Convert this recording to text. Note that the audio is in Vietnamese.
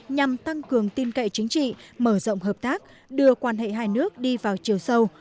nhằm tăng cường tin cậy chính trị mở rộng hợp tác đưa quan hệ hai nước đi vào chiều sâu